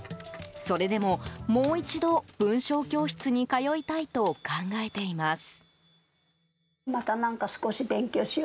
それでも、もう一度、文章教室に通いたいと考えています。